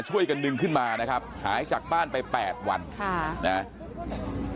ช่วยกันดึงขึ้นมานะครับหายจากบ้านไปแปดวันค่ะนะ